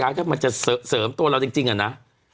ดาลเกรียรถมันจะเสริมตัวเราจริงอะนะ